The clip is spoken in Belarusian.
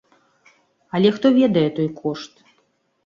Але хто ведае той кошт?